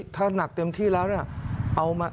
ถ้าหนักเต็มที่แล้วเอามา